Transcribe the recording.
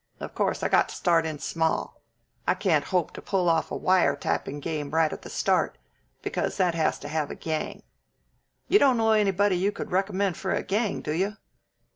Of course, I got to start in small. I can't hope to pull off a wire tapping game right at the start, because that has to have a gang. You don't know anybody you could recommend for a gang, do you?"